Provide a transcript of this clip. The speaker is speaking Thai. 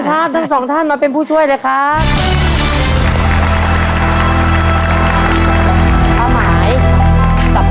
ครอบครัวของแม่ปุ้ยจังหวัดสะแก้วนะครับ